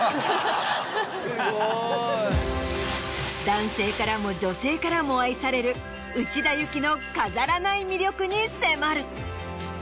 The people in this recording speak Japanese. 男性からも女性からも愛される内田有紀の。に迫る。